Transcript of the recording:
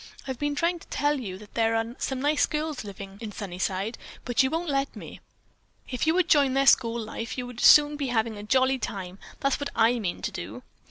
"I've been trying to tell you that there are some nice girls living in Sunnyside, but you won't let me. If you would join their school life, you would soon be having a jolly time. That's what I mean to do."